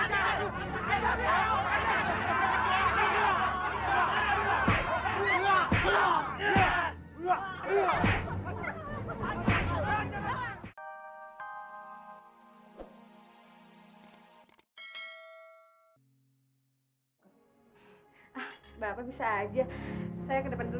terserah kalau kamu mau gedein